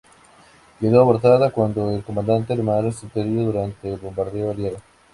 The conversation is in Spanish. Quedó abortada cuando el comandante alemán resultó herido durante un bombardeo aliado.